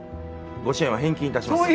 ご支援は返金いたしますので。